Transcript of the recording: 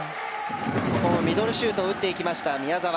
ミドルシュートを打っていきました、宮澤。